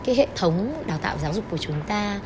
cái hệ thống đào tạo giáo dục của chúng ta